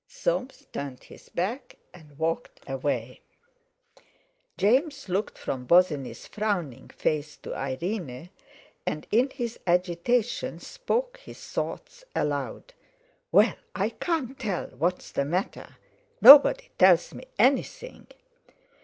Soames turned his back, and walked away. James looked from Bosinney's frowning face to Irene, and, in his agitation, spoke his thoughts aloud: "Well, I can't tell what's the matter. Nobody tells me anything!"